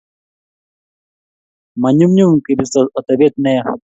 monyumnyum kebisto otebto neya